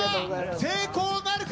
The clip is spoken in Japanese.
成功なるか。